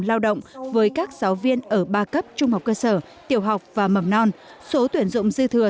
lao động với các giáo viên ở ba cấp trung học cơ sở tiểu học và mầm non số tuyển dụng dư thừa